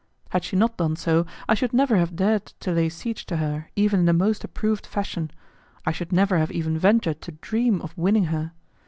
Had she not done so, I should never have dared to lay siege to her even in the most approved fashion; I should never have even ventured to dream of winning her.